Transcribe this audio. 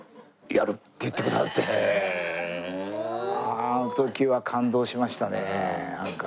あの時は感動しましたねなんか。